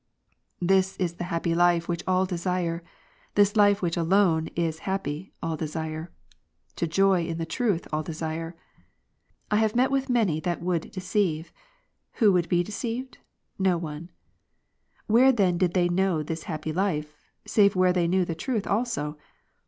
ps. 27, i. This is the happy life which all desire ; this life which alone Ps. 42, is happy, all desire ; to joy in the truth all desire ''. I have met with many that would deceive ; who would be deceived, no one. Where then did they know this happy life, save where they knew the truth also